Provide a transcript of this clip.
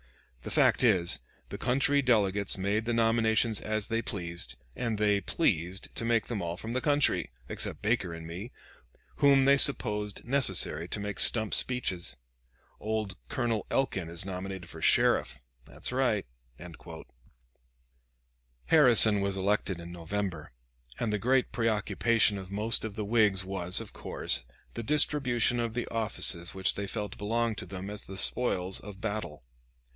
The fact is, the country delegates made the nominations as they pleased, and they pleased to make them all from the country, except Baker and me, whom they supposed necessary to make stump speeches. Old Colonel Elkin is nominated for Sheriff that's right." Harrison was elected in November, and the great preoccupation of most of the Whigs was, of course, the distribution of the offices which they felt belonged to them as the spoils of battle.